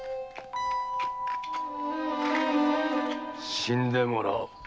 死んでもらおう。